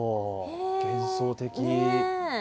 幻想的。